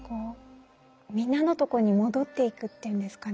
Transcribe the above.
みんなのとこに戻っていくっていうんですかね